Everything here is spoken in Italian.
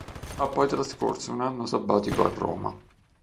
Ha poi trascorso un anno sabbatico a Roma.